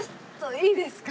いいですか